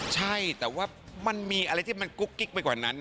ใช่แต่ว่ามันมีอะไรที่มันกุ๊กกิ๊กไปกว่านั้น